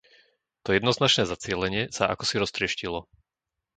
To jednoznačné zacielenie sa akosi roztrieštilo.